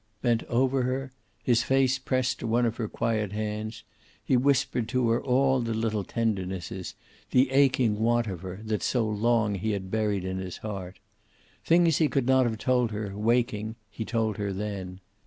Bent over her, his face pressed to one of her quiet hands, he whispered to her all the little tendernesses, the aching want of her, that so long he had buried in his heart. Things he could not have told her, waking, he told her then.